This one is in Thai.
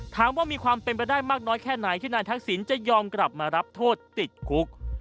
ถามว่ามีความเป็นไปได้มากน้อยแค่ไหนที่นายทักษิณจะยอมกลับมารับโทษติดคุก